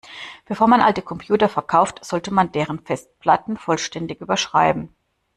Bevor man alte Computer verkauft, sollte man deren Festplatten vollständig überschreiben.